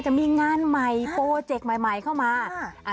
จะมีงานใหม่โปรเจกต์ใหม่เข้ามา